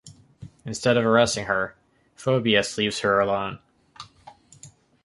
Instead of arresting her, Phoebus leaves her alone.